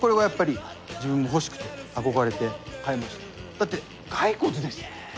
だって骸骨ですよ。